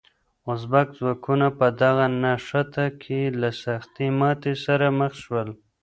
ازبک ځواکونه په دغه نښته کې له سختې ماتې سره مخ شول.